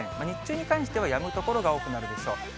日中に関しては、やむ所が多くなるでしょう。